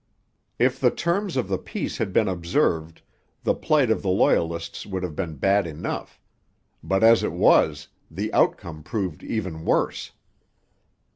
If the terms of the peace had been observed, the plight of the Loyalists would have been bad enough. But as it was, the outcome proved even worse.